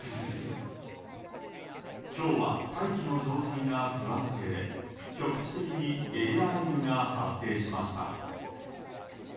今日は大気の状態が不安定で局地的にゲリラ雷雨が発生しました。